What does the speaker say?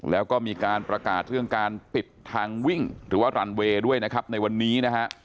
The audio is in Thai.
แล้วก็มีการประกาศเรื่องการปิดทางวิ่งหรือว่ารันเวย์ด้วยนะครับในวันนี้นะฮะ